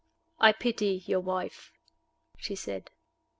"I pity your wife," she said.